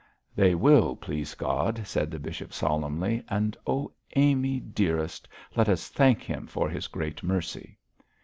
'They will, please God,' said the bishop, solemnly; 'and oh, Amy, dearest, let us thank Him for His great mercy.'